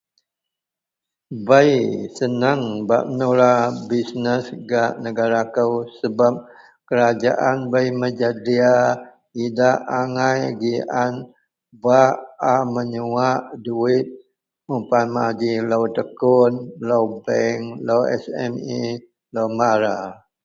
Bei seneng bak mula bisnes gak negara kou sebab kerajaan bei menyedia idak angai gian bak a menyuwak duwit upama ji lou Tekun, lou bank, lou SME, lou Mara.